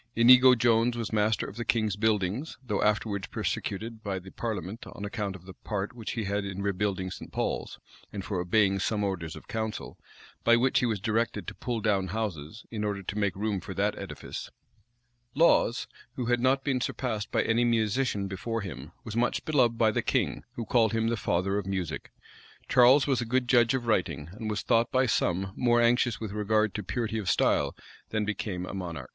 Inigo Jones was master of the king's buildings; though afterwards persecuted by the parliament, on account of the part which he had in rebuilding St. Paul's, and for obeying some orders of council, by which he was directed to pull down houses, in order to make room for that edifice. Laws, who had not been surpassed by any musician before him, was much beloved by the king, who called him the father of music. Charles was a good judge of writing, and was thought by some more anxious with regard to purity of style than became a monarch.[] * Anderson, vol. ii. p. 111.